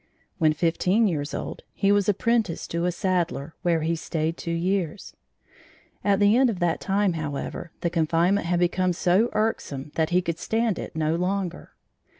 When fifteen years old, he was apprenticed to a saddler, where he stayed two years. At the end of that time, however, the confinement had become so irksome that he could stand it no longer.